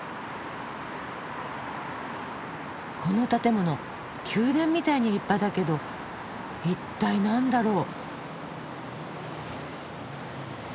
この建物宮殿みたいに立派だけど一体何だろう？